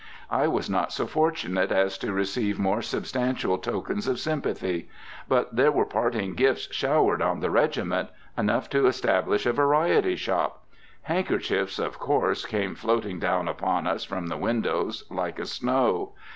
I was not so fortunate as to receive more substantial tokens of sympathy. But there were parting gifts showered on the regiment, enough to establish a variety shop. Handkerchiefs, of course, came floating down upon us from the windows, like a snow.